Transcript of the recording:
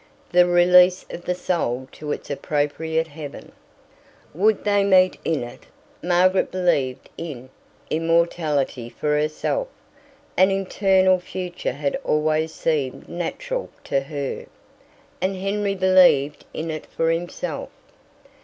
The release of the soul to its appropriate Heaven. Would they meet in it? Margaret believed in immortality for herself. An eternal future had always seemed natural to her. And Henry believed in it for himself.